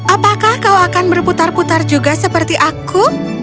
apakah kau akan berputar putar juga seperti aku